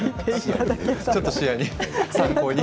ちょっと視野に参考に。